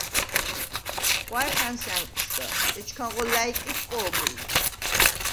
ხვა̈ჲ ხა̈ნს ა̈ნკვშდა, ეჩქანღო ლა̈ჲკიდ კო̄ბჷლდ.